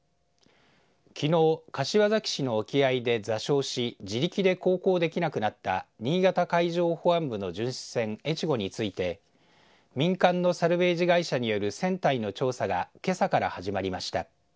きのう、柏崎市の沖合で座礁し自力で航行できなくなった新潟海上保安部の巡視船えちごについて民間のサルベージ会社による船体の調査がけさから始まりました。